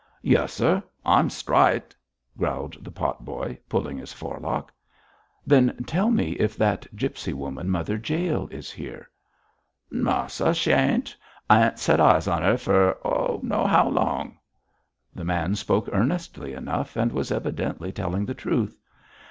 'Yuss, sir; I'm strite,' growled the pot boy, pulling his forelock. 'Then tell me if that gipsy woman, Mother Jael, is here?' 'No, sir, sh' ain't. I ain't set eyes on 'er for I do'no how long.' The man spoke earnestly enough, and was evidently telling the truth.